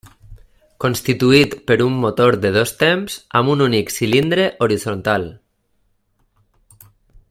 Constituït per un Motor de dos temps amb un únic cilindre horitzontal.